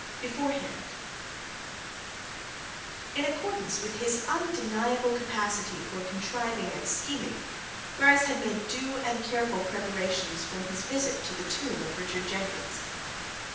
BEFOREHAND In accordance with his undeniable capacity for contriving and scheming, Bryce had made due and careful preparations for his visit to the tomb of Richard Jenkins.